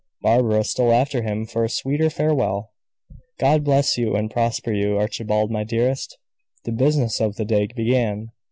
Barbara stole after him for a sweeter farewell. "God bless you and prosper you, Archibald, my dearest!" The business of the day began.